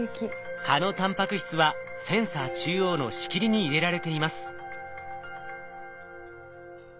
蚊のタンパク質はセンサー中央の仕切りに入れられています。